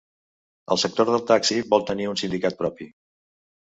El sector del taxi vol tenir un sindicat propi.